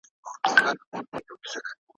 کرونا راغلې پر انسانانو